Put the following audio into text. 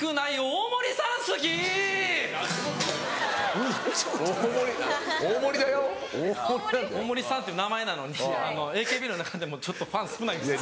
「大盛さん」っていう名前なのにＡＫＢの中でもちょっとファン少ないんです。